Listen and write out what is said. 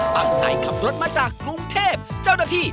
ขับรถมาจากกรุงเทพเจ้าหน้าที่